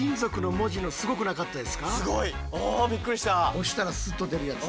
押したらスッと出るやつ。